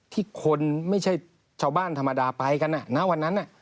ที่คนไม่ใช่ชาวบ้านธรรมดาไปกันณวันนั้น